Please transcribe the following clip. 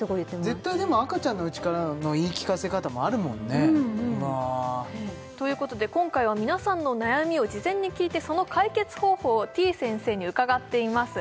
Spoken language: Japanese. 絶対でも赤ちゃんのうちからの言い聞かせ方もあるもんねということで今回は皆さんの悩みを事前に聞いてその解決方法をてぃ先生に伺っています